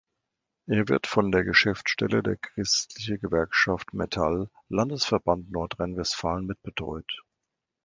Er wird von der Geschäftsstelle der Christliche Gewerkschaft Metall Landesverband Nordrhein-Westfalen mit betreut.